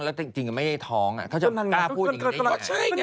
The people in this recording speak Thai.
หรือไม่ได้ท้องถ้าจะกล้าพูดอย่างนี้ก็ใช่ไง